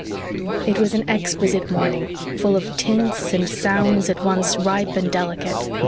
It was an exquisite morning, full of tints and sounds at once ripe and delicate.